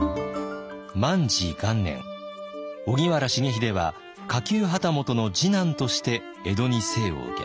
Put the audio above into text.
荻原重秀は下級旗本の次男として江戸に生を受けます。